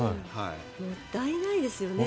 もったいないですよね。